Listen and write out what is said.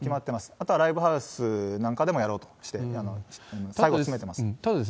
あとはライブハウスなんかでもやろうとしてます。